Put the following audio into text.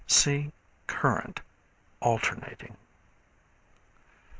(See Current, Alternating.)